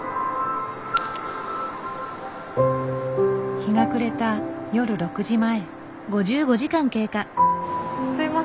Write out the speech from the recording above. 日が暮れた夜６時前。